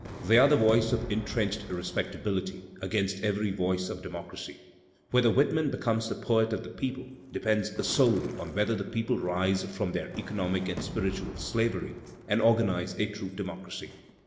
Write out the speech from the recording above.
They are the voice of in ; trenched respectability against every voice of democracy. Whether Whitman becomes the poet of the people de pends solely on whether the people rise from their economic and spiritual slavery and organize a true democracy.